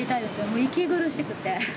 もう息苦しくて。